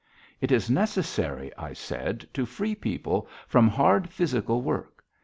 "It is necessary," I said, "to free people from hard physical work.